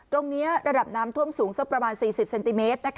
ตรงนี้ระดับน้ำท่วมสูงสักประมาณ๔๐เซนติเมตร